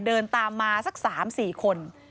เดินตามมาสัก๓๔คน